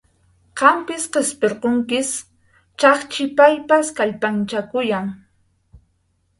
Qampis qishpirqunkish, chashi paypis kallpanchakuyan.